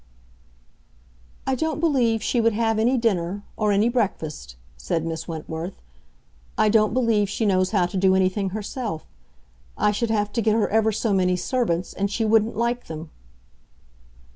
"I don't believe she would have any dinner—or any breakfast," said Miss Wentworth. "I don't believe she knows how to do anything herself. I should have to get her ever so many servants, and she wouldn't like them."